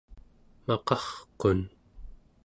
maqarqun